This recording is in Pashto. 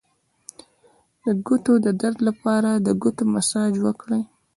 د ګوتو د درد لپاره د ګوتو مساج وکړئ